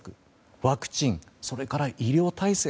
ワクチンそれから医療体制。